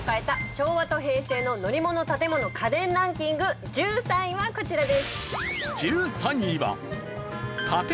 昭和と平成の乗り物・建物・家電ランキング１３位はこちらです。